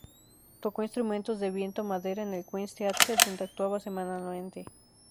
Tocó instrumentos de viento-madera en el Queen's Theatre, donde actuaba semanalmente.